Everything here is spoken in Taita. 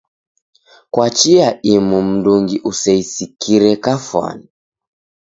Kwa chia imu mndungi useisikire kafwani.